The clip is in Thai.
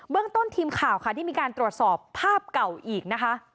ต้นทีมข่าวค่ะได้มีการตรวจสอบภาพเก่าอีกนะคะ